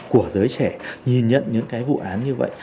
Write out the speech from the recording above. của giới trẻ nhìn nhận những cái vụ án như vậy